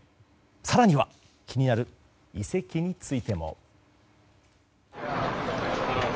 更には、気になる移籍についても。